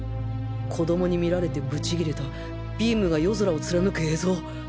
子供に見られてブチ切れたビームが夜空を貫く映像。